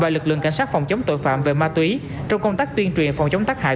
và lực lượng cảnh sát phòng chống tội phạm về ma túy trong công tác tuyên truyền phòng chống tắc hại